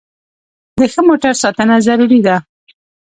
د ښه موټر ساتنه ضروري ده.